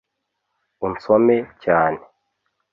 unsome cyane